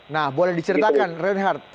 nah boleh diceritakan reinhard